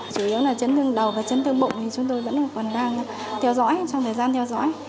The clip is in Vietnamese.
chủ yếu là chấn thương đầu và chấn thương bụng thì chúng tôi vẫn còn đang theo dõi trong thời gian theo dõi